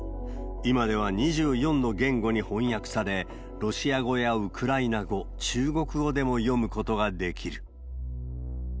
今では２４の言語に翻訳され、ロシア語やウクライナ語、中国語でも読むことができる。